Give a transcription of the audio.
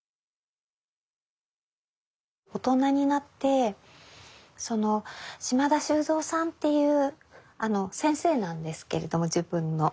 大人になって島田修三さんっていう先生なんですけれども自分の。